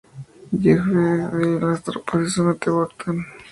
Jefe de la Tropas de Zona de Tetuán.